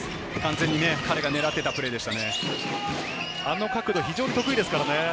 完全に彼が狙っていたあの角度、非常に得意ですからね。